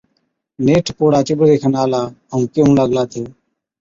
نيٺ پوڙها چِٻري کن آلا ائُون ڪيهُون لاگلا تہ،